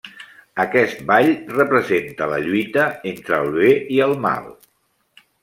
Aquest ball representa la lluita entre el bé i el mal.